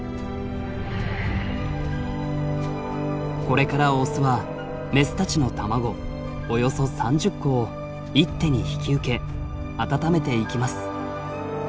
これからオスはメスたちの卵およそ３０個を一手に引き受け温めていきます。